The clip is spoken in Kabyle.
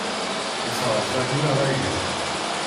Nesseɛẓeg inaragen.